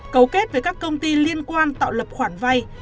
cấu kết với các công ty liên quan tạo lập khoản vay